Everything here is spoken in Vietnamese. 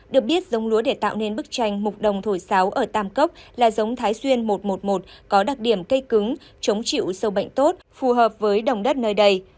được biết giống lúa để tạo nên bức tranh mục đồng thổi sáo ở tam cốc là giống thái xuyên một trăm một mươi một có đặc điểm cây cứng chống chịu sâu bệnh tốt phù hợp với đồng đất nơi đây